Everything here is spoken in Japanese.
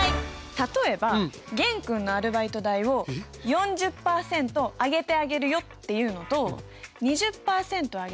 例えば玄君のアルバイト代を４０％上げてあげるよっていうのと２０％上げてさらに